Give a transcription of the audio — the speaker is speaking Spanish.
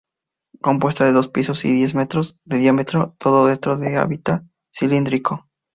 Compuesta de dos pisos y diez metros de diámetro todo dentro de hábitat cilíndrico.